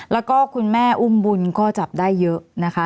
แล้วก็คุณแม่อุ้มบุญก็จับได้เยอะนะคะ